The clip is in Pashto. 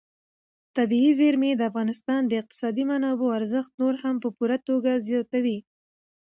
طبیعي زیرمې د افغانستان د اقتصادي منابعو ارزښت نور هم په پوره توګه زیاتوي.